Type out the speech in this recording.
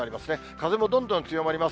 風もどんどん強まります。